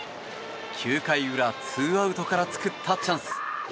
９回裏、ツーアウトから作ったチャンス。